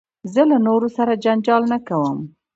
زه له نورو سره جنجال نه کوم.